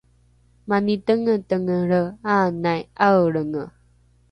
mani tengetengelre anai ’aelrenge